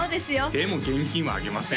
でも現金はあげません